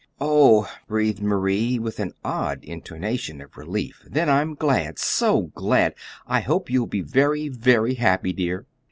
"Oh h!" breathed Marie, with an odd intonation of relief. "Then I'm glad so glad! And I hope you'll be very, very happy, dear."